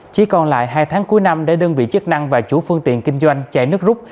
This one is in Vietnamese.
chỉ còn lại hai tháng cuối năm để đơn vị chức năng và chủ phương tiện kinh doanh chạy nước rút